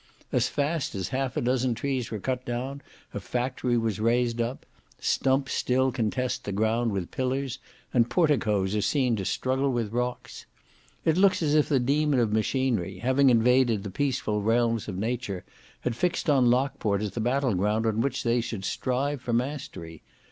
As fast as half a dozen trees were cut down, a factory was raised up; stumps still contest the ground with pillars, and porticos are seen to struggle with rocks. It looks as if the demon of machinery, having invaded the peaceful realms of nature, had fixed on Lockport as the battle ground on which they should strive for mastery.